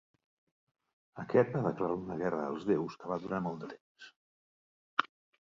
Aquest va declarar una guerra als déus que va durar molt de temps.